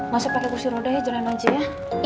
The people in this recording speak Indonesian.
masuk pake kursi rodanya jalanin aja ya